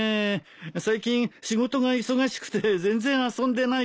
最近仕事が忙しくて全然遊んでないから。